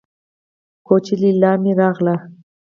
کوچۍ ليلا مې راغله.